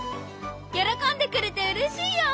喜んでくれてうれしいよ！